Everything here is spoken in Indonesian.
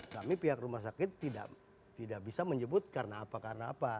kami pihak rumah sakit tidak bisa menyebut karena apa karena apa